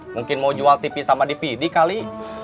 mungkin mau jual tv sama dpd kali